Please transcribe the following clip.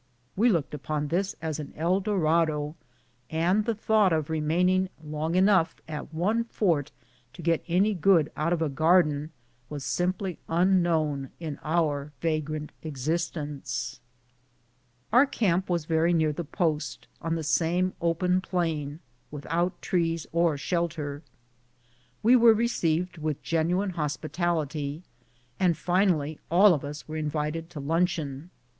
We looked upon all this as an El Dorado, and the thought of remaining long enough at one fort to get any good out of a garden was simply unknown in our vagrant existence. Our camp was very near the post, on the same open plain, without trees or shelter. We were received with genuine hospitality, and finally all of us invited to luncheon.